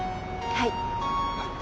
はい。